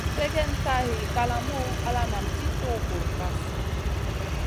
Sègèn ka hiy kalamou ala nam tì tuhu bur kaf.